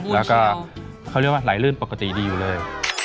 แล้วก็เขาเรียกว่าไหลลื่นปกติดีอยู่เลย